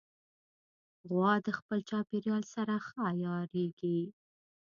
غوا د خپل چاپېریال سره ښه عیارېږي.